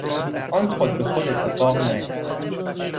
آن خود به خود اتفاق نیافتاد.